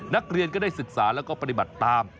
นักเรียนก็ได้ศึกษาแล้วก็ปฏิบัติตาม